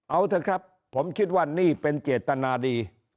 เอาเถอะครับผมคิดว่านี่เป็นเจตนาดี